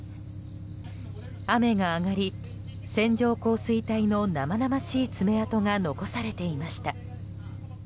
雨が上がり、線状降水帯の生々しい爪痕が残されていました。